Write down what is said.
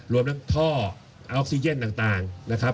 รวมทั้งท่อออกซีเจนต่าง